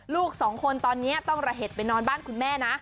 ลูกสองคนตอนนี้ต้องระเห็ดไปนอนบ้านคุณแม่นะ